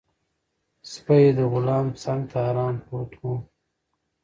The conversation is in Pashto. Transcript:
سپی د غلام څنګ ته ارام پروت و.